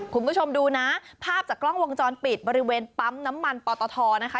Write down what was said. คุณผู้ชมดูนะภาพจากกล้องวงจรปิดบริเวณปั๊มน้ำมันปอตทนะคะ